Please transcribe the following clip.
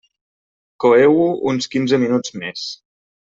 Coeu-ho uns quinze minuts més.